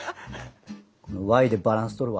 Ｙでバランスとるわ。